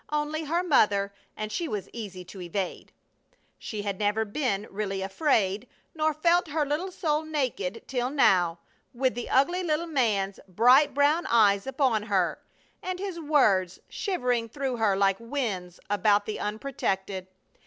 Only her mother, and she was easy to evade. She had never been really afraid, nor felt her little soul naked till now, with the ugly little man's bright brown eyes upon her, and his words shivering through her like winds about the unprotected.